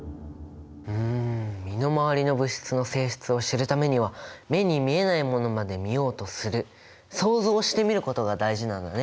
うん身の回りの物質の性質を知るためには目に見えないものまで見ようとする想像してみることが大事なんだね。